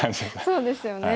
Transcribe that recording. そうですよね。